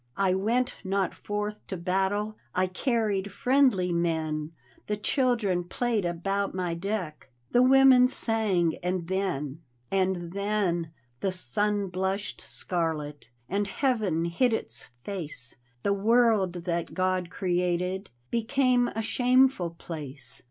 " I went not forth to battle, I carried friendly men, The children played about my de<^ The women sang — and then — And then — the sun blushed scarlet And Heaven hid its face, The world that God created Became a shameful place!